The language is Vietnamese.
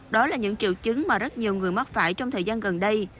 đó là những triệu chứng mà rất nhiều người mắc phải trong thời gian gần đây